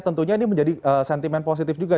tentunya ini menjadi sentimen positif juga